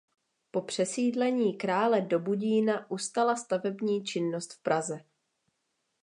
Po přesídlení krále do Budína ustala stavební činnost v Praze.